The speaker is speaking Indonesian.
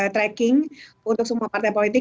tracking untuk semua partai politik